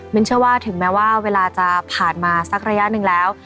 เชื่อว่าถึงแม้ว่าเวลาจะผ่านมาสักระยะหนึ่งแล้ว